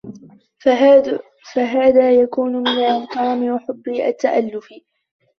فَهَذَا يَكُونُ مِنْ الْكَرَمِ وَحُبِّ التَّأَلُّفِ